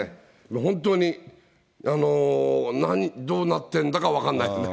本当に、どうなってんだか、分かんないですね。